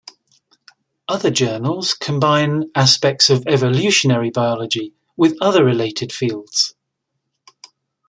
Other journals combine aspects of evolutionary biology with other related fields.